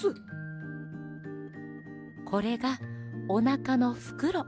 これがおなかのフクロ。